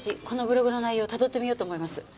このブログの内容たどってみようと思います。